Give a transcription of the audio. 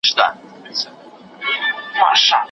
لکه شمع غوندي بل وي د دښمن پر زړه اور بل وي